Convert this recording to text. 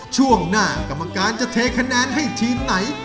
ช่วงหน้ากรรมการจะเทคะแนนให้ทีมไหน